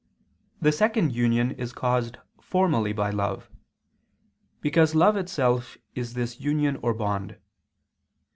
The second union is caused formally by love; because love itself is this union or bond.